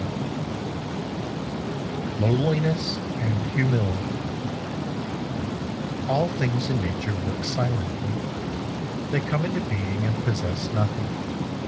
32 LOWLINESS AND HUMILITY ALL things in Nature work silently. They come into being and possess nothing.